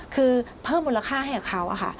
คือเพิ่มมูลค่าให้กับเขาค่ะ